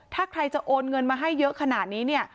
ถ้าใครจะโอนเงินมาให้เยอะขนาดนี้เนี่ย